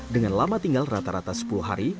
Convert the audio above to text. dengan lama tinggal rata rata sepuluh dolar per hari